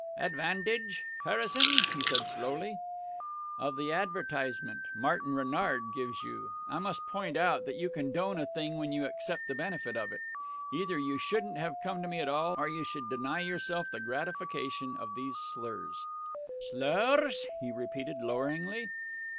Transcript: "'Advantage,' Harrison?" he said slowly. "Of the advertisement Martin Renard gives you. I must point out that you condone a thing when you accept the benefit of it. Either you shouldn't have come to me at all, or you should deny yourself the gratification of these slurs." "Slurrrrs?" he repeated loweringly.